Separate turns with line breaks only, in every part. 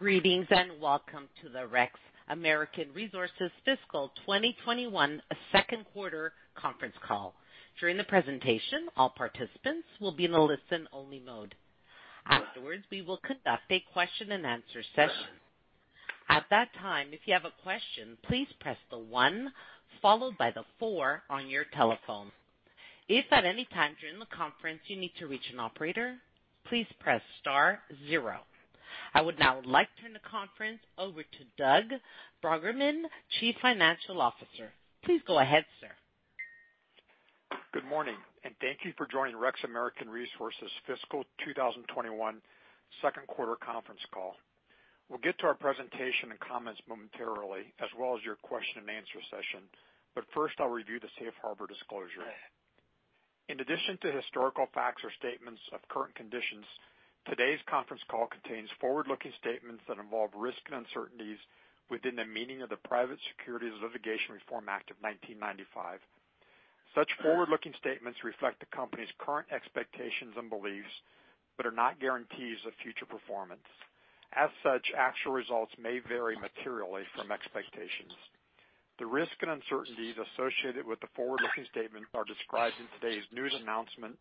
Greetings, and welcome to the REX American Resources Fiscal 2021 second quarter conference call. During the presentation, all participants will be in a listen-only mode. Afterwards, we will conduct a question-and-answer session. At that time if you a question please press one followed by the four on your telephone, if at any time during the conference you need to reach an operator assistance, please press star and zero, I would now like to turn the conference over to Doug Bruggeman, Chief Financial Officer. Please go ahead, sir.
Good morning, and thank you for joining REX American Resources Fiscal 2021 second quarter conference call. We'll get to our presentation and comments momentarily, as well as your question-and-answer session. First, I'll review the safe harbor disclosure. In addition to historical facts or statements of current conditions, today's conference call contains forward-looking statements that involve risks and uncertainties within the meaning of the Private Securities Litigation Reform Act of 1995. Such forward-looking statements reflect the company's current expectations and beliefs, but are not guarantees of future performance. As such, actual results may vary materially from expectations. The risks and uncertainties associated with the forward-looking statement are described in today's news announcement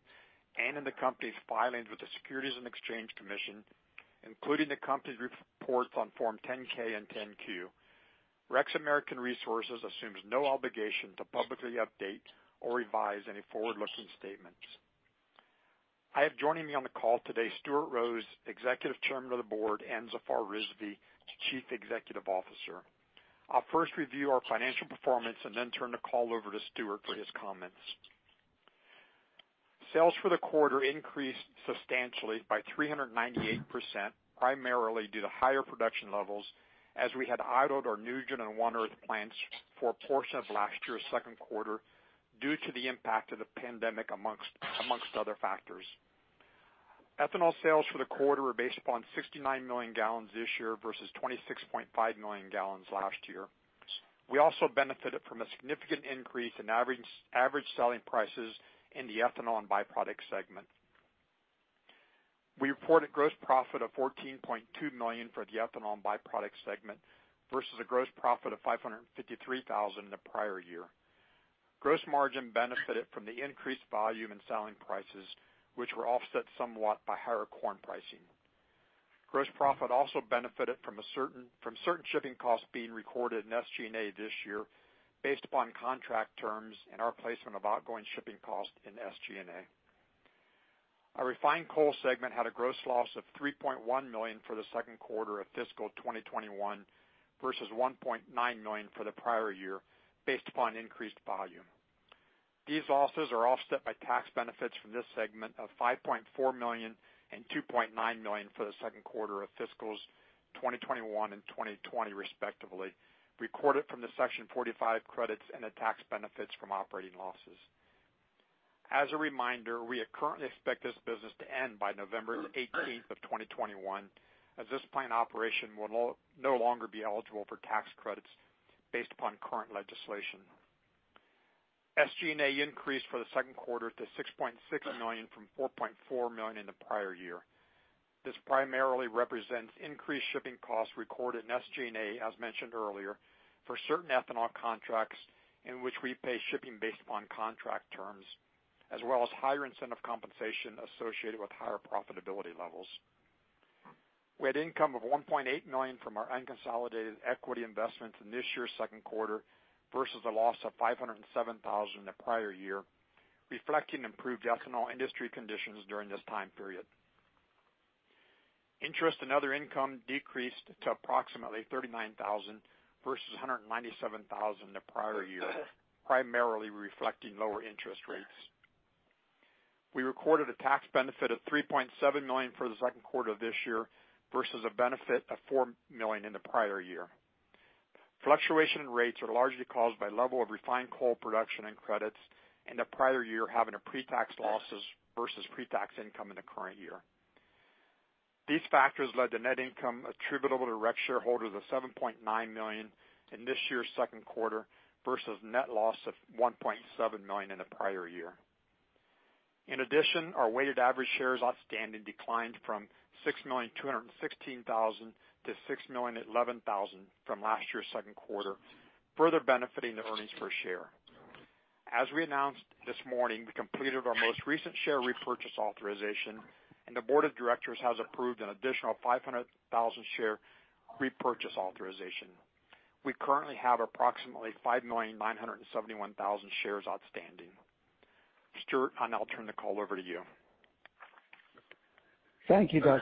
and in the company's filings with the Securities and Exchange Commission, including the company's reports on Form 10-K and 10-Q. REX American Resources assumes no obligation to publicly update or revise any forward-looking statements. I have joining me on the call today Stuart Rose, Executive Chairman of the Board, and Zafar Rizvi, Chief Executive Officer. I'll first review our financial performance and then turn the call over to Stuart for his comments. Sales for the quarter increased substantially by 398%, primarily due to higher production levels as we had idled our NuGen and One Earth plants for a portion of last year's second quarter due to the impact of the pandemic amongst other factors. Ethanol sales for the quarter were based upon 69 million gallons this year versus 26.5 million gallons last year. We also benefited from a significant increase in average selling prices in the ethanol and byproduct segment. We reported gross profit of $14.2 million for the ethanol and byproduct segment versus a gross profit of $553,000 in the prior year. Gross margin benefited from the increased volume in selling prices, which were offset somewhat by higher corn pricing. Gross profit also benefited from certain shipping costs being recorded in SG&A this year based upon contract terms and our placement of outgoing shipping costs in SG&A. Our refined coal segment had a gross loss of $3.1 million for the second quarter of fiscal 2021 versus $1.9 million for the prior year based upon increased volume. These losses are offset by tax benefits from this segment of $5.4 million and $2.9 million for the second quarter of fiscal 2021 and 2020 respectively, recorded from the Section 45 credits and the tax benefits from operating losses. As a reminder, we currently expect this business to end by November 18th of 2021, as this plant operation will no longer be eligible for tax credits based upon current legislation. SG&A increased for the second quarter to $6.6 million from $4.4 million in the prior year. This primarily represents increased shipping costs recorded in SG&A as mentioned earlier, for certain ethanol contracts in which we pay shipping based upon contract terms, as well as higher incentive compensation associated with higher profitability levels. We had income of $1.8 million from our unconsolidated equity investments in this year's second quarter versus a loss of $507,000 in the prior year, reflecting improved ethanol industry conditions during this time period. Interest and other income decreased to approximately $39,000 versus $197,000 in the prior year, primarily reflecting lower interest rates. We recorded a tax benefit of $3.7 million for the second quarter of this year versus a benefit of $4 million in the prior year. Fluctuation in rates are largely caused by level of refined coal production and credits in the prior year having pre-tax losses versus pre-tax income in the current year. These factors led to net income attributable to REX shareholders of $7.9 million in this year's second quarter versus net loss of $1.7 million in the prior year. In addition, our weighted average shares outstanding declined from 6,216,000 to 6,011,000 from last year's second quarter, further benefiting the earnings per share. As we announced this morning, we completed our most recent share repurchase authorization, and the board of directors has approved an additional 500,000 share repurchase authorization. We currently have approximately 5,971,000 shares outstanding. Stuart, I'll now turn the call over to you.
Thank you, Doug.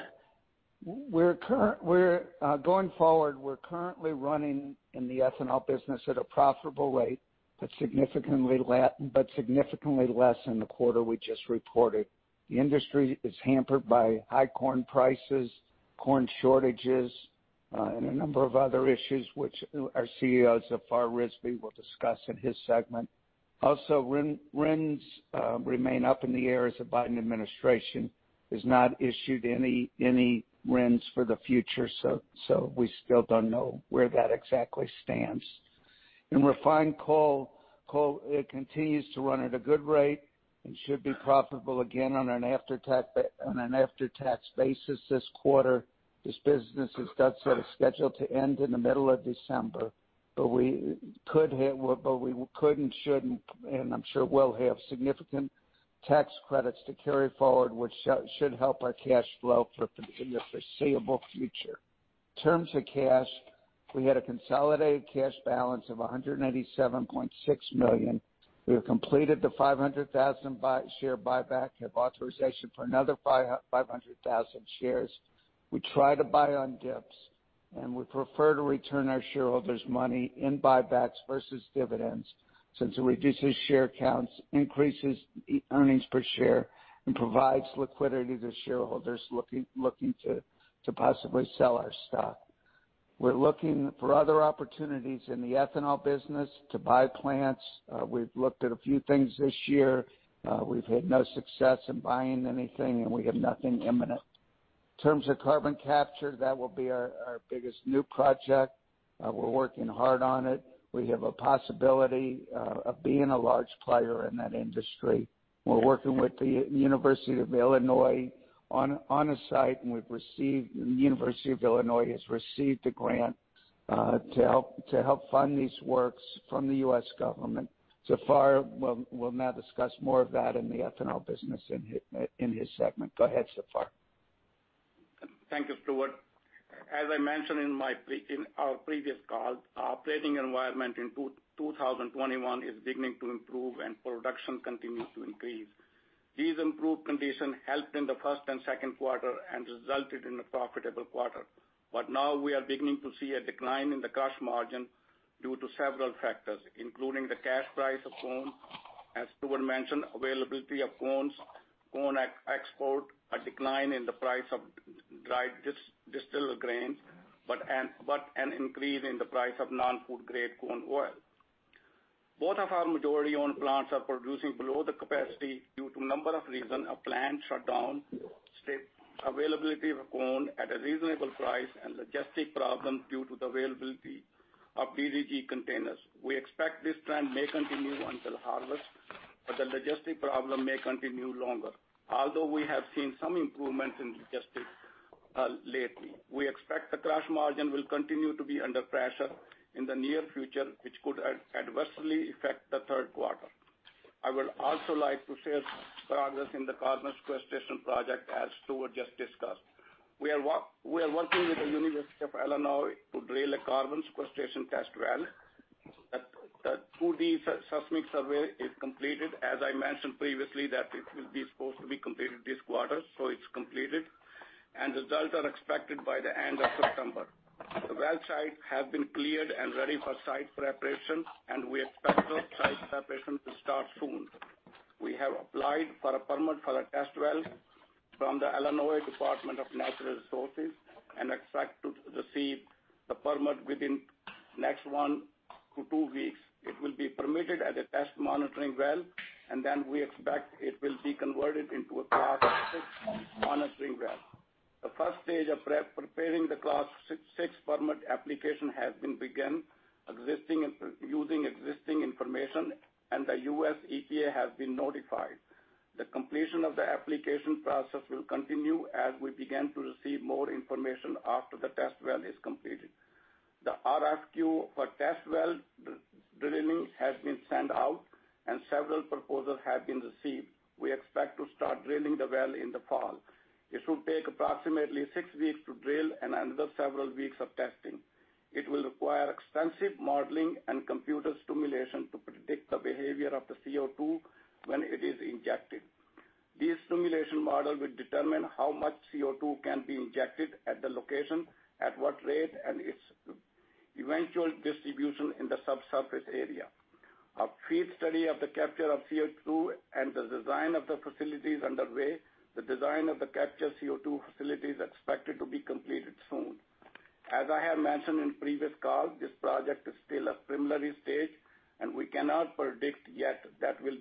Going forward, we're currently running in the ethanol business at a profitable rate, but significantly less than the quarter we just reported. The industry is hampered by high corn prices, corn shortages, and a number of other issues which our CEO, Zafar Rizvi, will discuss in his segment. Also, RINs remain up in the air as the Biden administration has not issued any RINs for the future, so we still don't know where that exactly stands. In refined coal, it continues to run at a good rate and should be profitable again on an after-tax basis this quarter. This business is scheduled to end in the middle of December. We could and should, and I'm sure will have significant tax credits to carry forward, which should help our cash flow in the foreseeable future. In terms of cash, we had a consolidated cash balance of $197.6 million. We have completed the 500,000 share buyback. We have authorization for another 500,000 shares. We try to buy on dips, and we prefer to return our shareholders money in buybacks versus dividends since it reduces share counts, increases earnings per share, and provides liquidity to shareholders looking to possibly sell our stock. We're looking for other opportunities in the ethanol business to buy plants. We've looked at a few things this year. We've had no success in buying anything, and we have nothing imminent. In terms of carbon capture, that will be our biggest new project. We're working hard on it. We have a possibility of being a large player in that industry. We're working with the University of Illinois on a site, and the University of Illinois has received a grant to help fund these works from the U.S. government. Zafar will now discuss more of that in the ethanol business in his segment. Go ahead, Zafar.
Thank you, Stuart. As I mentioned in our previous call, our trading environment in 2021 is beginning to improve and production continues to increase. These improved conditions helped in the first and second quarter and resulted in a profitable quarter. Now we are beginning to see a decline in the crush margin due to several factors, including the cash price of corn, as Stuart mentioned, availability of corn export, a decline in the price of dried distiller grains, but an increase in the price of non-food grade corn oil. Both of our majority-owned plants are producing below the capacity due to number of reason, a plant shutdown, availability of corn at a reasonable price, and logistic problem due to the availability of DDG containers. We expect this trend may continue until harvest, but the logistic problem may continue longer. Although we have seen some improvement in logistics lately. We expect the crush margin will continue to be under pressure in the near future, which could adversely affect the third quarter. I would also like to share progress in the carbon sequestration project as Stuart just discussed. We are working with the University of Illinois to drill a carbon sequestration test well. The 2D seismic survey is completed. As I mentioned previously that it will be supposed to be completed this quarter, so it's completed. Results are expected by the end of September. The well site has been cleared and ready for site preparation, and we expect site preparation to start soon. We have applied for a permit for a test well from the Illinois Department of Natural Resources and expect to receive the permit within next one to two weeks. It will be permitted as a test monitoring well, and then we expect it will be converted into a Class VI monitoring well. The first stage of preparing the Class VI permit application has been begun using existing information, and the U.S. EPA has been notified. The completion of the application process will continue as we begin to receive more information after the test well is completed. The RFQ for test well drilling has been sent out and several proposals have been received. We expect to start drilling the well in the fall. It should take approximately six weeks to drill and another several weeks of testing. It will require extensive modeling and computer simulation to predict the behavior of the CO2 when it is injected. These simulation model will determine how much CO2 can be injected at the location, at what rate, and its eventual distribution in the subsurface area. A FEED study of the capture of CO2 and the design of the facility is underway. The design of the capture CO2 facility is expected to be completed soon. As I have mentioned in previous calls, this project is still at preliminary stage and we cannot predict yet that we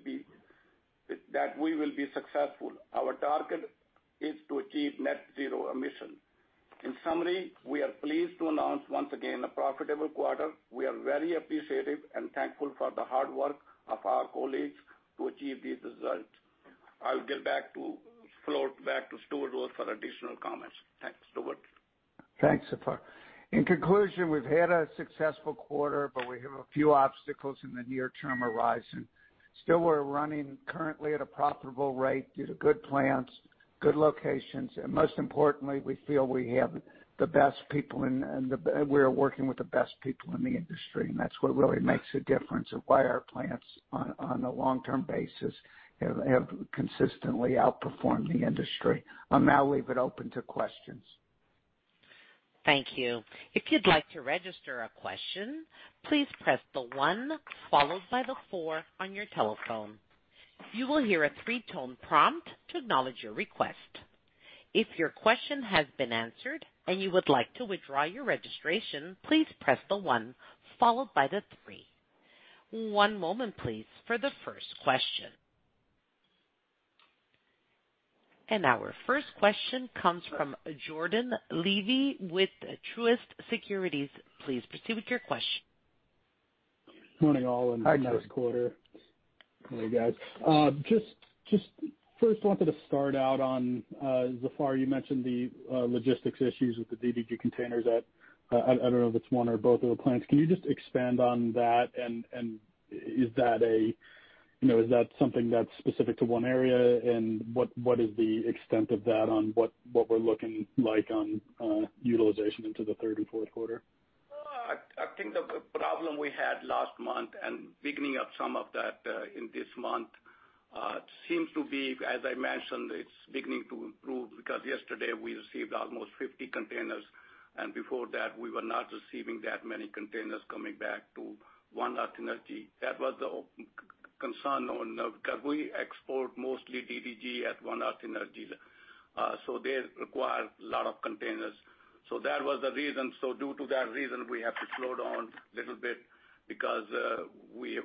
will be successful. Our target is to achieve net zero emission. In summary, we are pleased to announce once again a profitable quarter. We are very appreciative and thankful for the hard work of our colleagues to achieve these results. I will give back to Stuart Rose for additional comments. Thanks. Stuart?
Thanks, Zafar. In conclusion, we've had a successful quarter, but we have a few obstacles in the near term arising. Still, we're running currently at a profitable rate due to good plants, good locations, and most importantly, we feel we are working with the best people in the industry, and that's what really makes a difference of why our plants on a long-term basis have consistently outperformed the industry. I'll now leave it open to questions.
Thank you. If you like to register a question please press the one followed by the four on your telephone you will hear three tones prompt to acknowledge your request if your question has been answered and you would like to withdraw please press one and followed by three. One moment please for the first question. Our first question comes from Jordan Levy with Truist Securities. Please proceed with your question.
Morning, all.
Hi, Jordan
Nice quarter. Hey, guys. Just first wanted to start out on, Zafar, you mentioned the logistics issues with the DDG containers at, I don't know if it's one or both of the plants. Can you just expand on that? Is that something that's specific to 1 area, and what is the extent of that on what we're looking like on utilization into the third and fourth quarter?
I think the problem we had last month, and beginning of some of that in this month, seems to be, as I mentioned, it's beginning to improve because yesterday we received almost 50 containers, and before that, we were not receiving that many containers coming back to One Earth Energy. That was the concern because we export mostly DDG at One Earth Energy. They require a lot of containers. That was the reason. Due to that reason, we have to slow down a little bit because we have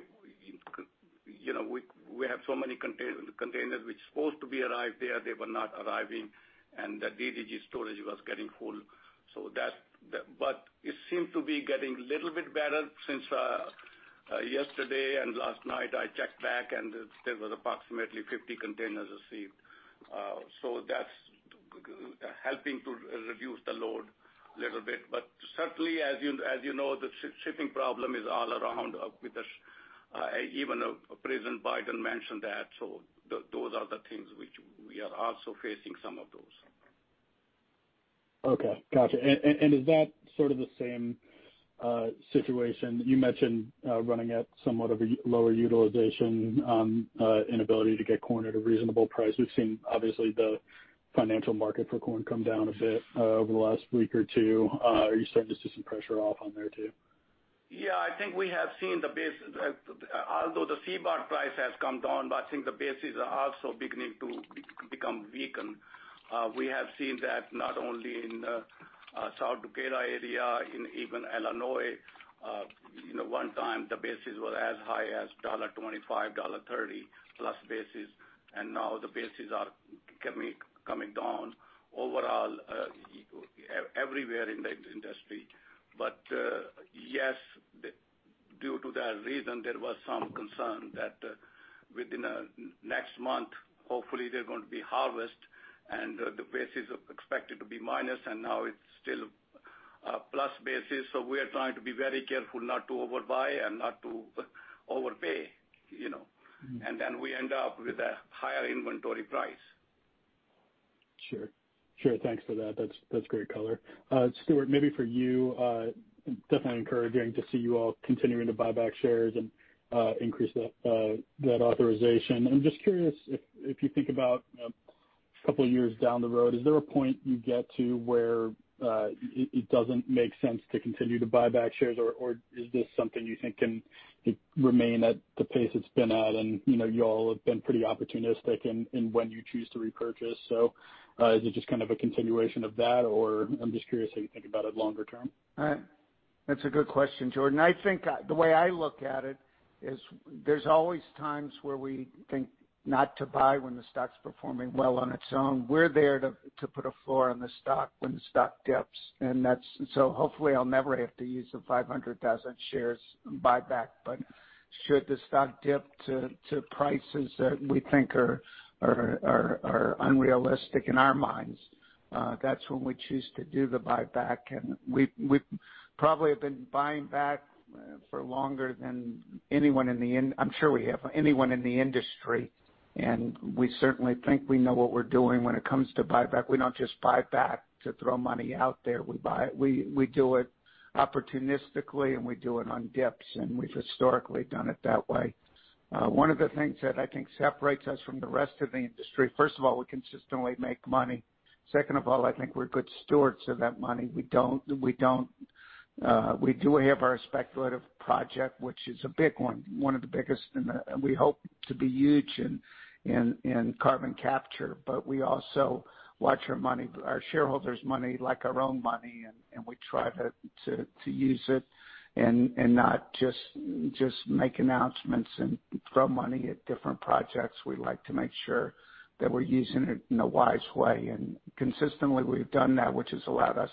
so many containers which supposed to be arrive there, they were not arriving, and the DDG storage was getting full. It seems to be getting little bit better since yesterday and last night I checked back, and there was approximately 50 containers received. That's helping to reduce the load a little bit. Certainly, as you know, the shipping problem is all around with this. Even President Biden mentioned that. Those are the things which we are also facing some of those.
Okay. Got you. Is that sort of the same situation you mentioned running at somewhat of a lower utilization, inability to get corn at a reasonable price? We've seen, obviously, the financial market for corn come down a bit over the last week or two. Are you starting to see some pressure off on there, too?
I think we have seen although the CBOT price has come down, but I think the basis are also beginning to become weakened. We have seen that not only in South Dakota area, in even Illinois. One time, the basis was as high as $1.25, $1.30+ basis, and now the basis are coming down overall everywhere in the industry. Yes, due to that reason, there was some concern that within next month, hopefully they're going to be harvest and the basis expected to be minus, and now it's still a plus basis. We are trying to be very careful not to overbuy and not to overpay. We end up with a higher inventory price.
Sure. Thanks for that. That's great color. Stuart, maybe for you, definitely encouraging to see you all continuing to buy back shares and increase that authorization. I'm just curious, if you think about a couple of years down the road, is there a point you get to where it doesn't make sense to continue to buy back shares, or is this something you think can remain at the pace it's been at? You all have been pretty opportunistic in when you choose to repurchase. Is it just kind of a continuation of that, or I'm just curious how you think about it longer term.
All right. That's a good question, Jordan. I think the way I look at it is there's always times where we think not to buy when the stock's performing well on its own. We're there to put a floor on the stock when the stock dips. Hopefully I'll never have to use the 500,000 shares buyback, but should the stock dip to prices that we think are unrealistic in our minds, that's when we choose to do the buyback. We probably have been buying back for longer than anyone in the industry, I'm sure we have, and we certainly think we know what we're doing when it comes to buyback. We don't just buy back to throw money out there. We do it opportunistically, we do it on dips, and we've historically done it that way. One of the things that I think separates us from the rest of the industry, first of all, we consistently make money. Second of all, I think we're good stewards of that money. We do have our speculative project, which is a big one of the biggest, and we hope to be huge in carbon capture, but we also watch our money, our shareholders' money, like our own money, and we try to use it and not just make announcements and throw money at different projects. We like to make sure that we're using it in a wise way. Consistently, we've done that, which has allowed us,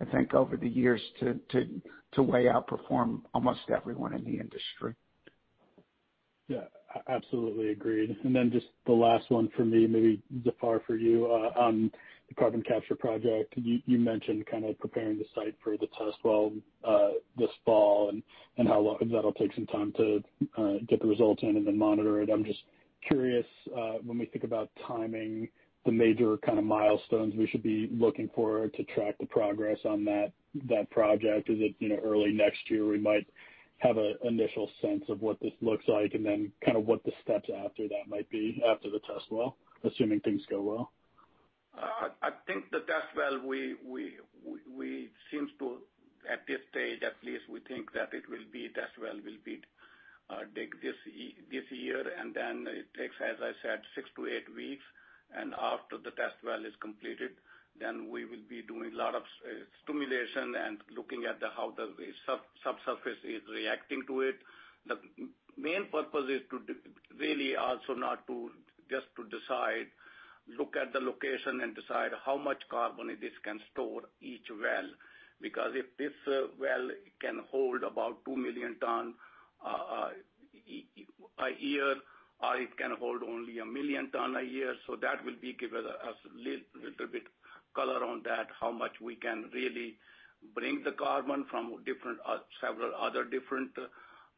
I think, over the years to way outperform almost everyone in the industry.
Yeah, absolutely agreed. Just the last one for me, maybe Zafar, for you. On the carbon capture project, you mentioned kind of preparing the site for the test well this fall, and how long that'll take some time to get the results in and then monitor it. I'm just curious, when we think about timing, the major kind of milestones we should be looking for to track the progress on that project. Is it early next year, we might have an initial sense of what this looks like and then kind of what the steps after that might be after the test well, assuming things go well?
I think the test well, we seems to, at this stage at least, we think that it will be test well, will be dig this year, and then it takes, as I said, six to eight weeks. After the test well is completed. We will be doing a lot of stimulation and looking at how the subsurface is reacting to it. The main purpose is to really also not to just to decide, look at the location, and decide how much carbon this can store each well, because if this well can hold about 2 million ton a year, or it can hold only 1 million ton a year, that will give us little bit color on that, how much we can really bring the carbon from several other different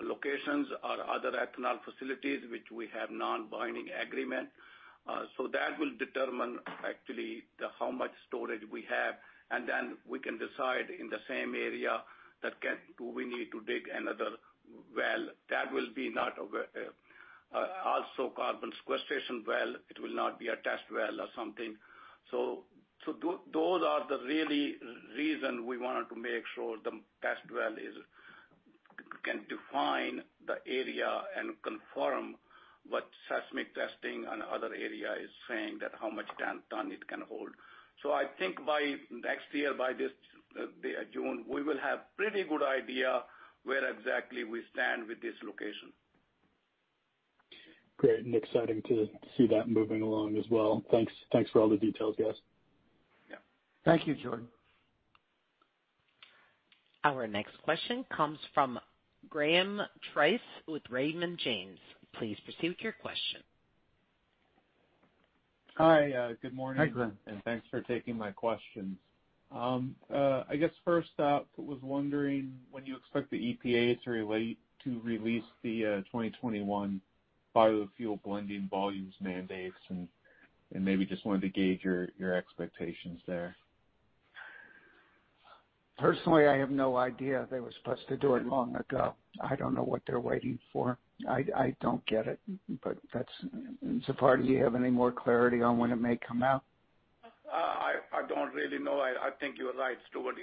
locations or other ethanol facilities, which we have non-binding agreement. That will determine actually how much storage we have, and then we can decide in the same area that do we need to dig another well. That will be not also carbon sequestration well, it will not be a test well or something. Those are the really reason we wanted to make sure the test well can define the area and confirm what seismic testing on other area is saying that how much ton it can hold. I think by next year, by this June, we will have pretty good idea where exactly we stand with this location.
Great, and exciting to see that moving along as well. Thanks for all the details, guys.
Yeah.
Thank you, Jordan.
Our next question comes from Graham Price with Raymond James. Please proceed with your question.
Hi, good morning.
Hi, Graham.
Thanks for taking my questions. I guess first up, was wondering when you expect the EPA to release the 2021 biofuel blending volumes mandates, and maybe just wanted to gauge your expectations there?
Personally, I have no idea. They were supposed to do it long ago. I don't know what they're waiting for. I don't get it. Zafar, do you have any more clarity on when it may come out?
I don't really know. I think you're right, Stuart.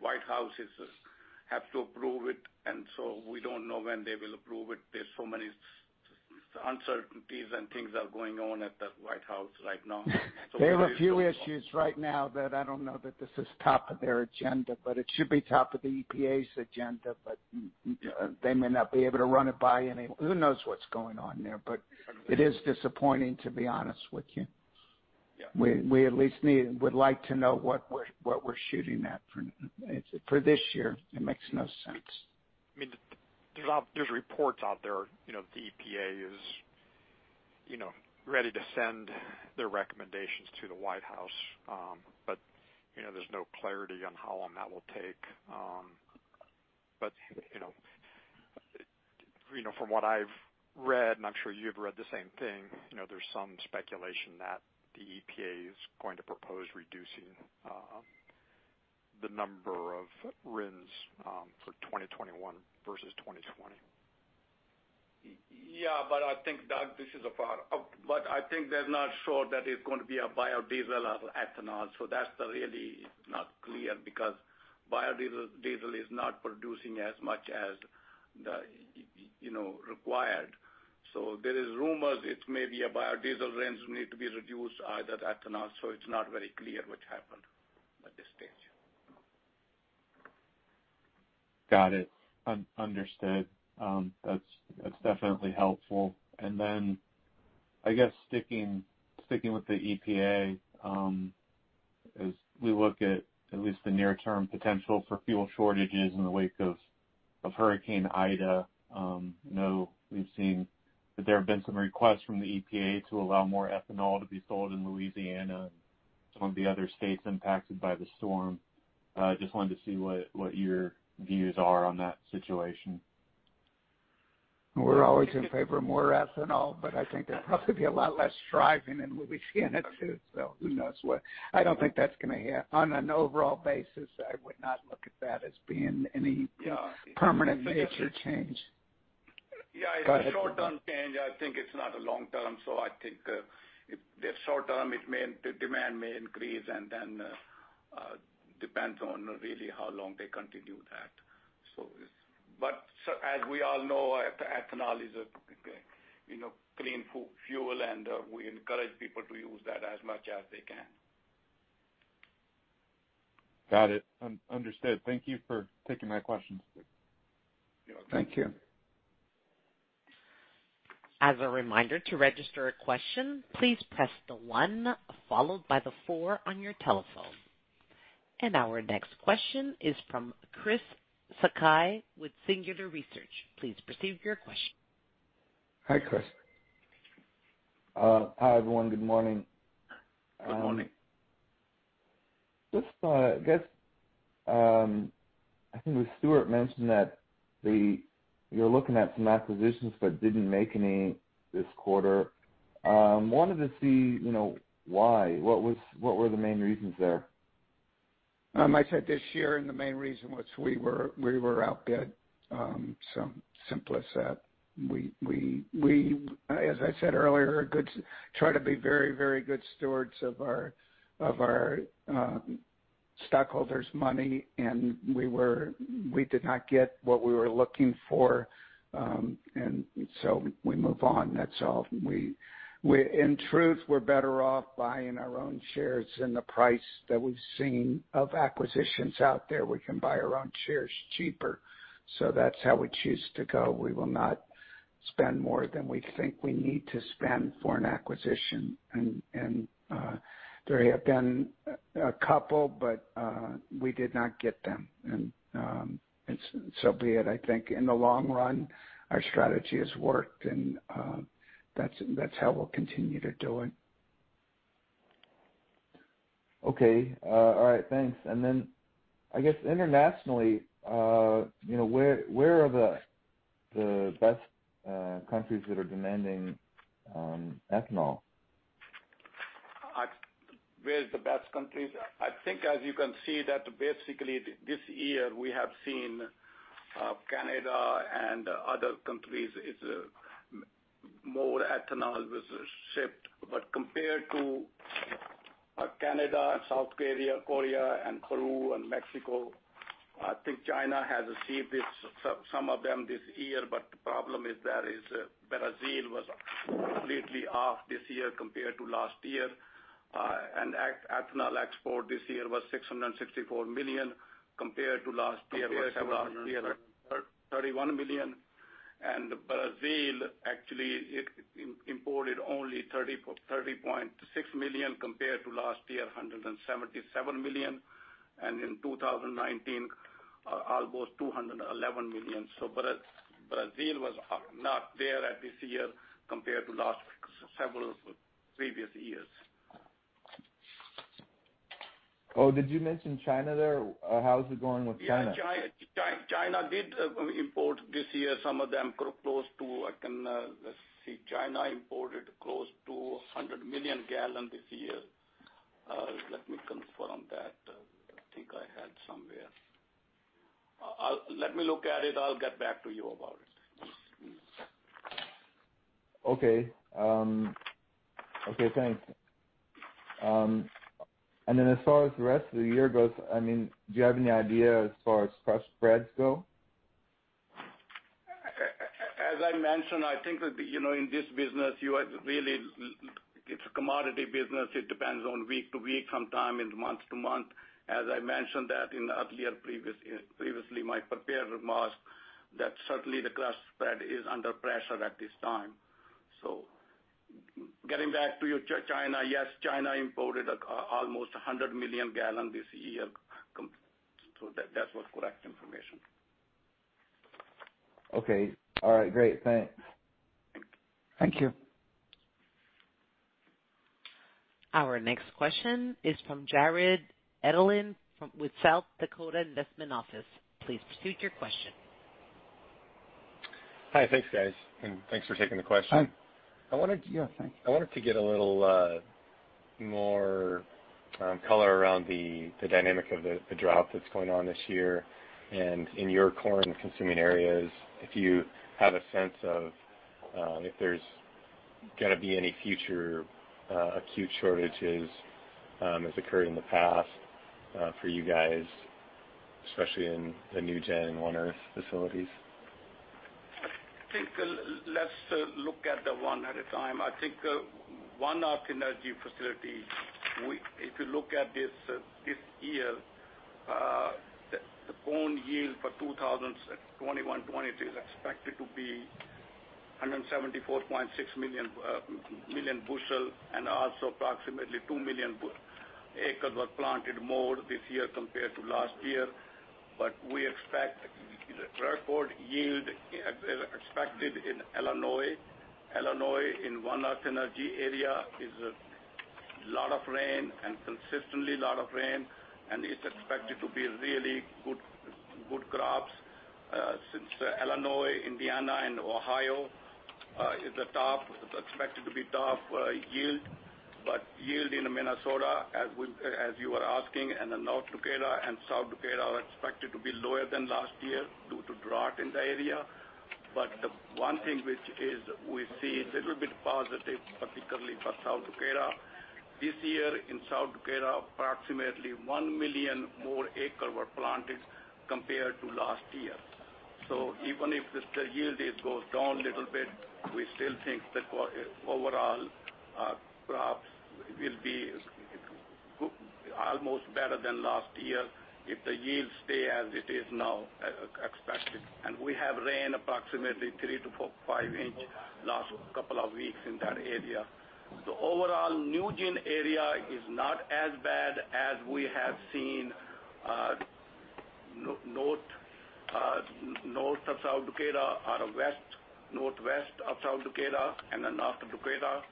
White House has to approve it, and so we don't know when they will approve it. There's so many uncertainties and things are going on at the White House right now.
They have a few issues right now that I don't know that this is top of their agenda, but it should be top of the EPA's agenda. They may not be able to run it by anyone. Who knows what's going on there, but it is disappointing, to be honest with you.
Yeah. We at least would like to know what we're shooting at for this year. It makes no sense.
There's reports out there, the EPA is ready to send their recommendations to the White House. There's no clarity on how long that will take. From what I've read, and I'm sure you've read the same thing, there's some speculation that the EPA is going to propose reducing the number of RINs for 2021 versus 2020.
Yeah. I think that they're not sure that it's going to be a biodiesel or ethanol, so that's really not clear because biodiesel is not producing as much as required. There is rumors it may be a biodiesel RINs need to be reduced, either ethanol. It's not very clear what happened at this stage.
Got it. Understood. That's definitely helpful. Then I guess sticking with the EPA, as we look at least the near term potential for fuel shortages in the wake of Hurricane Ida, know we've seen that there have been some requests from the EPA to allow more ethanol to be sold in Louisiana and some of the other states impacted by the storm. Just wanted to see what your views are on that situation.
We're always in favor of more ethanol, but I think there'd probably be a lot less driving in Louisiana too, so who knows what. On an overall basis, I would not look at that as being any permanent nature change.
Yeah. It's a short-term change. I think it's not a long term. I think the short term, demand may increase, and then depends on really how long they continue that. As we all know, ethanol is a clean fuel, and we encourage people to use that as much as they can.
Got it. Understood. Thank you for taking my questions.
You're welcome.
Thank you.
As a reminder, to register a question, please press the one followed by the four on your telephone. Our next question is from Chris Sakai with Singular Research. Please proceed with your question.
Hi, Chris.
Hi, everyone. Good morning.
Good morning.
It was Stuart mentioned that you're looking at some acquisitions but didn't make any this quarter. Wanted to see why. What were the main reasons there?
I said this year. The main reason was we were outbid. Simple as that. As I said earlier, try to be very good stewards of our stockholders' money. We did not get what we were looking for. We move on. That's all. In truth, we're better off buying our own shares in the price that we've seen of acquisitions out there. We can buy our own shares cheaper. That's how we choose to go. We will not spend more than we think we need to spend for an acquisition. There have been a couple, but we did not get them. Be it. I think in the long run, our strategy has worked and that's how we'll continue to do it.
Okay. All right. Thanks. I guess internationally, where are the best countries that are demanding ethanol?
Where is the best countries? I think as you can see that basically this year we have seen Canada and other countries, it's more ethanol was shipped. Compared to Canada and South Korea and Peru and Mexico, I think China has received some of them this year. The problem is that Brazil was completely off this year compared to last year. Ethanol export this year was $664 million compared to last year was $731 million. Brazil actually imported only $30.6 million compared to last year, $177 million, and in 2019, almost $211 million. Brazil was not there this year compared to several previous years.
Oh, did you mention China there? How is it going with China?
Yeah. China did import this year, some of them close to, I can see China imported close to 100 million gallon this year. Let me confirm that. I think I had somewhere. Let me look at it. I'll get back to you about it.
Okay. Thanks. As far as the rest of the year goes, do you have any idea as far as spreads go?
As I mentioned, I think that in this business, it's a commodity business. It depends on week to week, sometime month to month. As I mentioned previously, my prepared remarks, certainly the crush margin is under pressure at this time. Getting back to your China, yes, China imported almost 100 million gallons this year. That was correct information.
Okay. All right. Great. Thanks.
Thank you.
Our next question is from Jarrod Edelen with South Dakota Investment Office. Please proceed your question.
Hi. Thanks, guys. Thanks for taking the question.
Yeah. Thanks.
I wanted to get a little more color around the dynamic of the drought that's going on this year, and in your corn consuming areas if you have a sense of if there's going to be any future acute shortages as occurred in the past for you guys, especially in the NuGen One Earth facilities.
I think let's look at them one at a time. I think One Earth Energy facility, if you look at this year, the corn yield for 2021-2023 is expected to be 174.6 million bushel. Also approximately 2 million acres were planted more this year compared to last year. We expect record yield expected in Illinois. Illinois in One Earth Energy area is a lot of rain and consistently a lot of rain, and it's expected to be really good crops. Since Illinois, Indiana and Ohio is expected to be top yield. Yield in Minnesota, as you were asking, and the North Dakota and South Dakota are expected to be lower than last year due to drought in the area. The one thing which is we see a little bit positive, particularly for South Dakota. This year in South Dakota, approximately 1 million more acres were planted compared to last year. Even if the yield goes down little bit, we still think that overall our crops will be almost better than last year if the yields stay as it is now expected. We have rain approximately three to five inch last couple of weeks in that area. Overall, NuGen area is not as bad as we have seen north of South Dakota or west, northwest of South Dakota and then north of Dakota.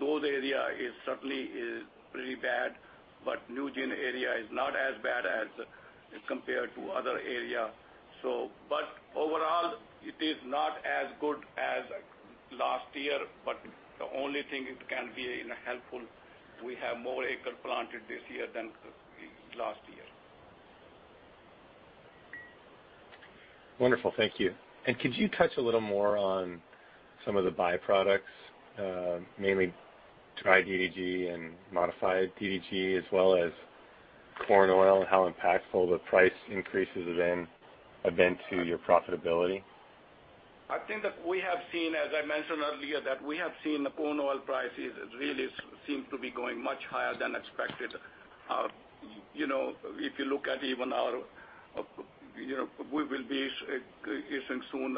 Those area is certainly is pretty bad, but NuGen area is not as bad as compared to other area. Overall, it is not as good as last year, but the only thing it can be helpful, we have more acres planted this year than last year.
Wonderful. Thank you. Could you touch a little more on some of the byproducts? Mainly dry DDG and modified DDG as well as corn oil, and how impactful the price increases have been to your profitability?
I think that we have seen, as I mentioned earlier, that we have seen corn oil prices really seem to be going much higher than expected. If you look at even we will be issuing soon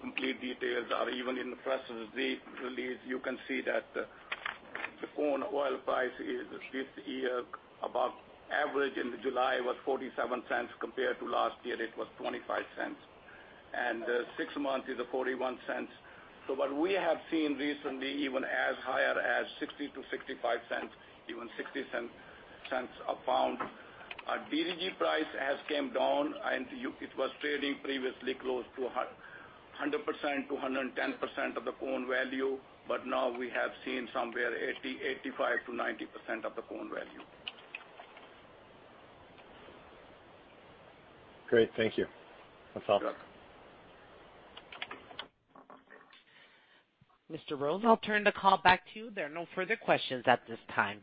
complete details or even in the press release, you can see that the corn oil price is this year above average. In July it was $0.47 compared to last year it was $0.25. 6 months is $0.41. What we have seen recently, even as high as $0.60-$0.65, even $0.60 a pound. DDG price has come down, it was trading previously close to 100%-110% of the corn value. Now we have seen somewhere 85%-90% of the corn value.
Great. Thank you. That's all.
Mr. Rose, I'll turn the call back to you. There are no further questions at this time.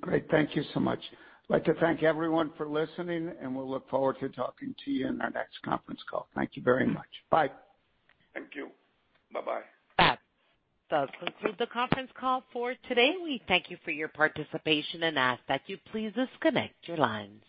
Great. Thank you so much. I'd like to thank everyone for listening, and we'll look forward to talking to you in our next conference call. Thank you very much. Bye.
Thank you. Bye-bye.
That does conclude the conference call for today. We thank you for your participation and ask that you please disconnect your lines.